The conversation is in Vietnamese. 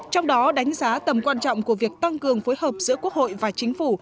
trong đó đánh giá tầm quan trọng của việc tăng cường phối hợp giữa quốc hội và chính phủ